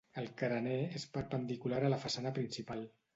El carener és perpendicular a la façana principal.